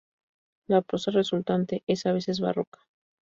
La prosa resultante es a veces barroca.